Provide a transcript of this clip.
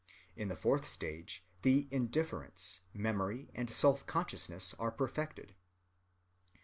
In the fourth stage the indifference, memory, and self‐consciousness are perfected.